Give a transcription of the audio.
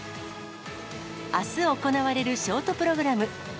あす行われるショートプログラム。